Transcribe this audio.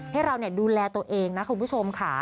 ให้เราดูแลตัวเองนะคุณผู้ชมค่ะ